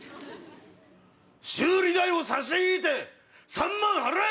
修理代を差し引いて３万払え！